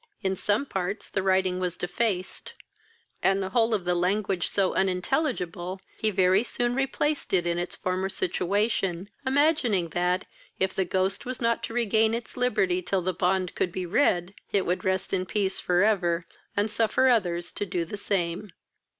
In some parts the writing was defaced, and the whole of the language so unintelligible, he very soon replaced it in its former situation, imagining that, if the ghost was not to regain its liberty till the bond could be read, it would rest in peace for ever, and suffer others to do the same.